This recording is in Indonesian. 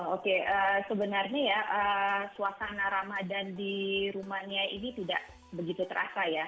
oke sebenarnya ya suasana ramadan di rumania ini tidak begitu terasa ya